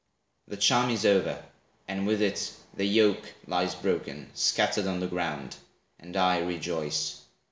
The charm is over, and, with it, the yoke Lies broken, scattered on the ground; and I Rejoice.